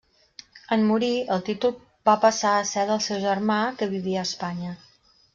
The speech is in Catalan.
En morir, el títol va passar a ser del seu germà, que vivia a Espanya.